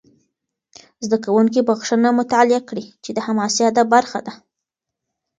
زده کوونکي بخښنه مطالعه کړي، چې د حماسي ادب برخه ده.